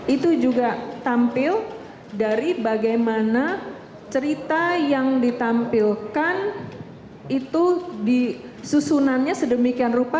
itu juga tampil dari bagaimana cerita yang ditampilkan itu disusunannya sedemikian rupa